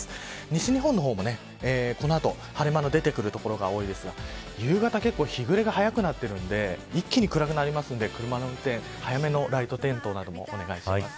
西日本の方もこの後、晴れ間の出てくる所が多いですが夕方、結構日暮れが早くなっているので一気に暗くなりますので車の運転早めのライト点灯お願いします。